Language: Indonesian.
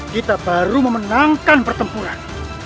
kita baru memenangkan pertempuran